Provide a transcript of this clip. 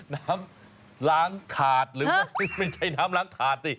น้ำล้างถาดหรือว่าไม่ใช่น้ำล้างถาดสิ